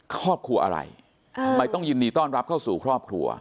ครอบครัวอะไรทำไมต้องยินดีต้อนรับเข้าสู่ครอบครัว